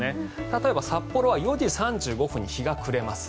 例えば札幌は４時３５分に日が暮れます。